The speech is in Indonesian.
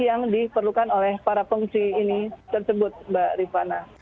yang diperlukan oleh para pengungsi ini tersebut mbak rifana